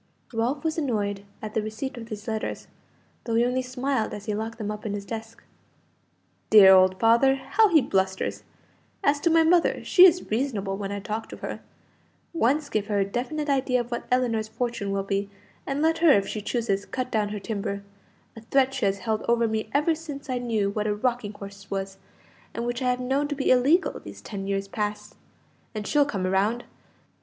Ralph was annoyed at the receipt of these letters, though he only smiled as he locked them up in his desk. "Dear old father! how he blusters! As to my mother, she is reasonable when I talk to her. Once give her a definite idea of what Ellinor's fortune will be, and let her, if she chooses, cut down her timber a threat she has held over me ever since I knew what a rocking horse was, and which I have known to be illegal these ten years past and she'll come round.